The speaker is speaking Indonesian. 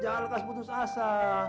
jangan letak putus asa